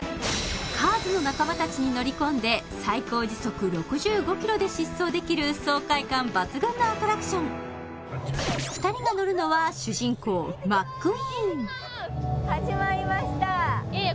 カーズの仲間たちに乗り込んで最高時速６５キロで疾走できる爽快感抜群のアトラクション２人が乗るのはいいね